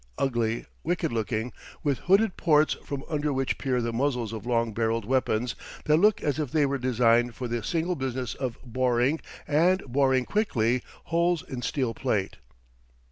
Ugly, wicked looking, with hooded ports from under which peer the muzzles of long barrelled weapons that look as if they were designed for the single business of boring, and boring quickly, holes in steel plate.